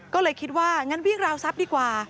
ก็เลยคิดว่างั้นวิ่งราวทรัพย์ดีกว่า